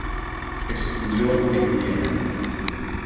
Estudió en Viena.